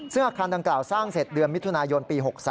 ซึ่งอาคารดังกล่าวสร้างเสร็จเดือนมิถุนายนปี๖๓